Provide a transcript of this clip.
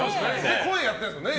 声やってるんですよね